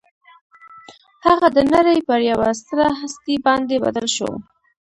هغه د نړۍ پر یوه ستره هستي باندې بدل شو